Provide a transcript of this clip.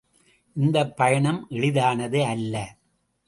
இந்தப் பயணம் எளிதானது அல்ல.